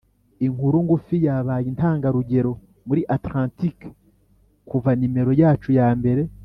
inkuru ngufi yabaye intangarugero muri atlantike kuva nimero yacu ya mbere